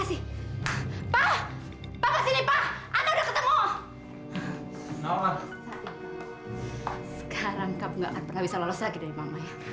sekarang kamu gak akan pernah bisa lolos lagi dari mama ya